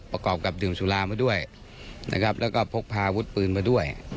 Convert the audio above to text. ประกอบกับดื่มสุรามาด้วยนะครับแล้วก็พกพาอาวุธปืนมาด้วย